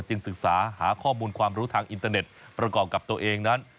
ศึกษาหาข้อมูลความรู้ทางอินเตอร์เน็ตประกอบกับตัวเองนั้น